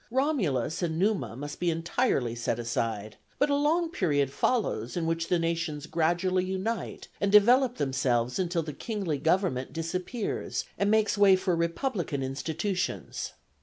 Romulus and Numa must be entirely set aside; but a long period follows, in which the nations gradually unite and develop themselves until the kingly government disappears and makes way for republican institutions.